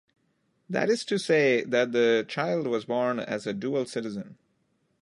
That is to say that the child was born as a dual citizen.